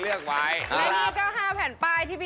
เสาคำยันอาวุธิ